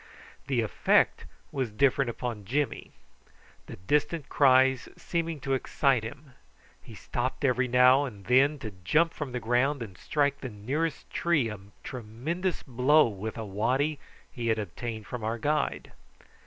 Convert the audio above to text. The effect was different upon Jimmy, the distant cries seeming to excite him. He stopped every now and then to jump from the ground and strike the nearest tree a tremendous blow with a waddy he had obtained from our guide.